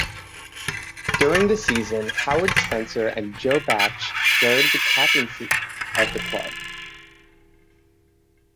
During the season Howard Spencer and Joe Bache shared the captaincy of the club.